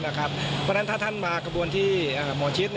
เพราะฉะนั้นถ้าท่านมากระบวนที่หมอชิด